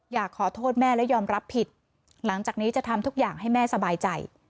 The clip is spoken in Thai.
อยากขอโทษแม่และยอมรับผิดหลังจากนี้จะทำทุกอย่างให้แม่สบายใจ